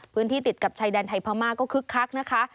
พื้นที่ติดกับชายดันไทยพม่าก็คึกคักนะคะ